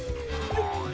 よっ！